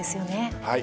はい。